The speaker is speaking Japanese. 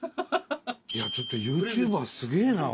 いやちょっとＹｏｕＴｕｂｅｒすげぇな。